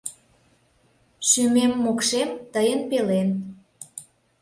Шӱмем-мокшем — тыйын пелен